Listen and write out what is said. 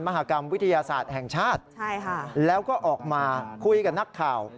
มหากรรมวิทยาศาสตร์แห่งชาติแล้วก็ออกมาคุยกับนักข่าว